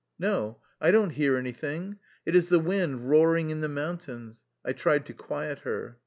" No, I don't hear anything. It is the wind roaring in the mountains," I tried to quiet her.